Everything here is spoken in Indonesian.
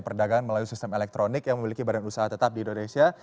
perdagangan melalui sistem elektronik yang memiliki badan usaha tetap di indonesia